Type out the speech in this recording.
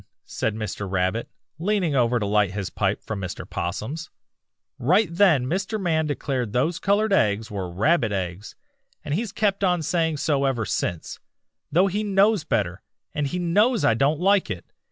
] "'And right then,' said Mr. Rabbit, leaning over to light his pipe from Mr. 'Possum's, 'right then Mr. Man declared those colored eggs were rabbit eggs, and he's kept on saying so ever since, though he knows better, and he knows I don't like it.